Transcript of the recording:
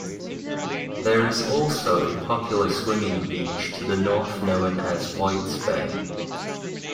There is also a popular swimming beach to the north known as Whites Bay.